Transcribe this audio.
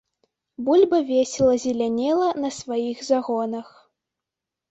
Бульба весела зелянела на сваіх загонах.